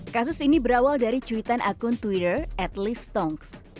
kasus ini berawal dari cuitan akun twitter atleastonks